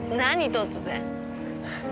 突然。